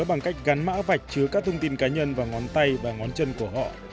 bằng cách gắn mã vạch chứa các thông tin cá nhân và ngón tay và ngón chân của họ